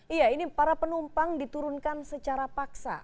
iya ini para penumpang diturunkan secara paksa